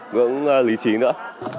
ngưỡng lý trí nữa